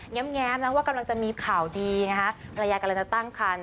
แม้ว่ากำลังจะมีข่าวดีนะฮะภรรยากำลังจะตั้งคัน